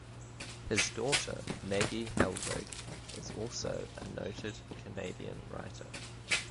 His daughter, Maggie Helwig, is also a noted Canadian writer.